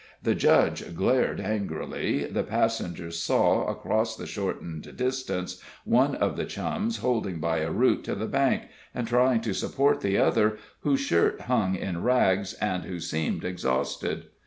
The Judge glared angrily; the passengers saw, across the shortened distance, one of the Chums holding by a root to the bank, and trying to support the other, whose shirt hung in rags, and who seemed exhausted.